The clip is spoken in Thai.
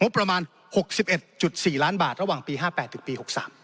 ประมาณ๖๑๔ล้านบาทระหว่างปี๕๘ถึงปี๖๓